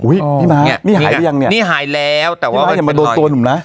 อุ้ยนี่ม้านี่หายหรือยังเนี้ยนี่หายแล้วแต่ว่านี่ม้าอย่ามาโดนตัวหนุ่มน้า